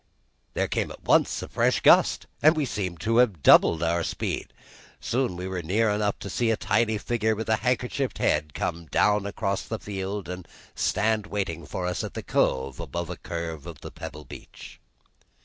There came at once a fresh gust, and we seemed to have doubled our speed. Soon we were near enough to see a tiny figure with handkerchiefed head come down across the field and stand waiting for us at the cove above a curve of pebble beach.